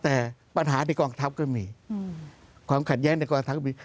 แต่ปัญหาในกองพนักภัพก็มีความขาดแย้งในกองพนักภัพก็มี